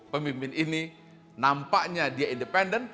pemimpin ini nampaknya dia independen